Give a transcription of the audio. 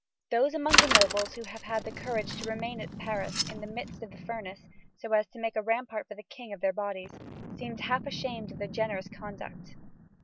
Those among the nobles who have had the courage to remain at Paris in the midst of the furnace, so as to make a rampart for the King of their bodies, seem half ashamed of their generous conduct.